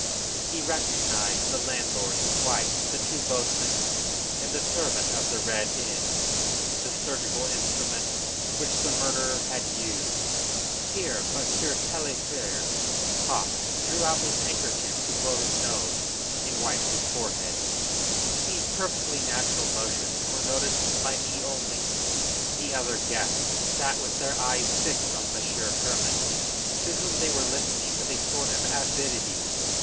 He recognized the landlord, his wife, the two boatmen, and the servant of the Red Inn. The surgical instrument which the murderer had used [Here Monsieur Taillefer coughed, drew out his handkerchief to blow his nose, and wiped his forehead. These perfectly natural motions were noticed by me only; the other guests sat with their eyes fixed on Monsieur Hermann, to whom they were listening with a sort of avidity.